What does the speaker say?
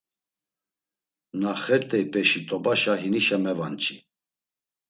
Na xert̆eypeşi tobaşa hinişa mevanç̌i.